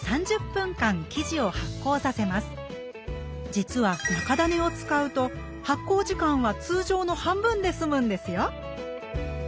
実は中種を使うと発酵時間は通常の半分で済むんですよ